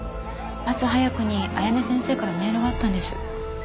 朝早くに綾音先生からメールがあったんです。